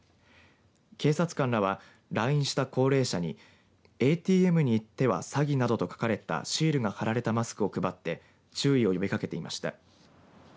警察官らは来院した高齢者にＡＴＭに行っては詐欺！などと書かれたシールが貼られたマスクを配って注意を呼びかけていました。